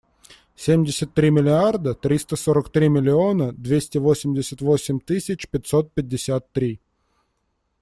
Семьдесят три миллиарда триста сорок три миллиона двести восемьдесят восемь тысяч пятьсот пятьдесят три.